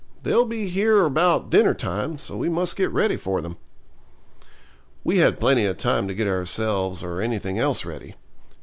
They'll be here about dinner time, so we must get ready for them.' We had plenty of time to get ourselves or anything else ready.